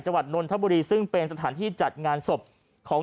นนทบุรีซึ่งเป็นสถานที่จัดงานศพของ